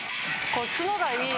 こっちの方がいい。